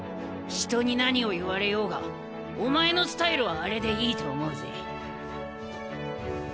人に何を言われようがお前のスタイルはあれでいいと思うぜ。